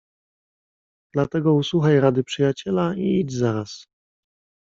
"Dlatego usłuchaj rady przyjaciela i idź zaraz."